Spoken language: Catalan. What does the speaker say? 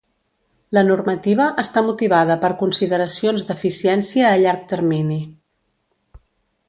La normativa està motivada per consideracions d'eficiència a llarg termini.